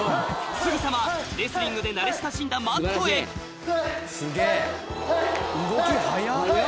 すぐさまレスリングで慣れ親しんだマットへすげぇ動き速っ！